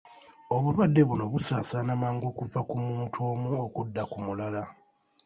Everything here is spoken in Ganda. Obulwadde buno busaasaana mangu okuva ku muntu omu okudda ku mulala.